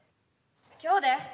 今日で。